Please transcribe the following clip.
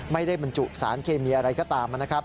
ไม่ได้บรรจุสารเคมีอะไรก็ตามนะครับ